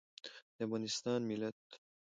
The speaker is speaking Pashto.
د افغانستان ملت